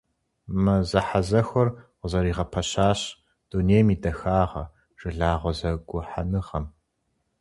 Мы зэхьэзэхуэр къызэригъэпэщащ «Дунейм и Дахагъэ» жылагъуэ зэгухьэныгъэм.